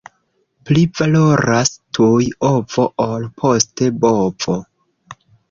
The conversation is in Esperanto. Pli valoras tuj ovo, ol poste bovo.